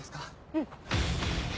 うん。